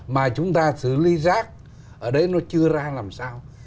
mà chúng ta xử lý rác ở đấy nó chưa ra làm sao